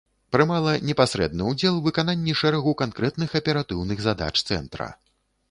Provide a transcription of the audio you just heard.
Прымала непасрэдны ўдзел у выкананні шэрагу канкрэтных аператыўных задач цэнтра.